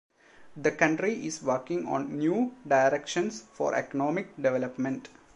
The county is working on new directions for economic development.